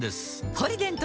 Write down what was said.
「ポリデント」